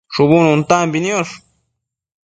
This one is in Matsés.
shubu nuntambi niosh